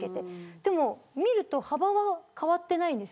でも見ると幅は変わってないんです。